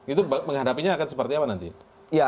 itu menghadapinya akan seperti apa nanti